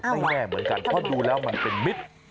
แน่เหมือนกันเพราะดูแล้วมันเป็นมิตร